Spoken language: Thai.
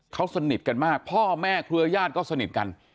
เขาสนิทกันมากพ่อแม่เครือญาติก็สนิทกัน